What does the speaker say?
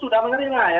sudah menerima ya